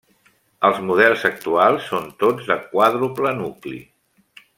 Els models actuals són tots de quàdruple nucli.